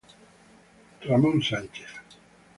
Ramón Sánchez